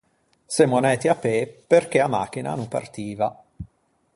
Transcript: Semmo anæti à pê perché a machina a no partiva.